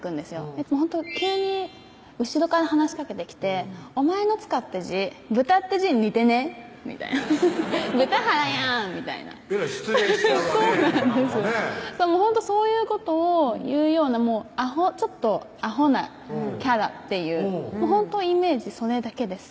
いつもほんと急に後ろから話しかけてきて「お前の塚って字豚って字に似てねぇ「豚原やん」みたいなえらい失礼しちゃうわねなんかねそういうことを言うようなちょっとアホなキャラっていうほんとイメージそれだけです